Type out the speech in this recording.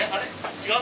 違う？